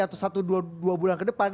atau satu dua bulan ke depan